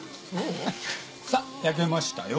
さっ焼けましたよ。